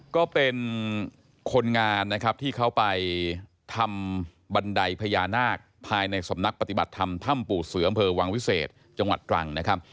ก็เป็นคนงานนะครับที่เขาไปทำบันไดพญานาคภายในสำนักปฏิบัติธรรมถ้ำปู่เสืออำเภอวังวิเศษจังหวัดตรังนะครับ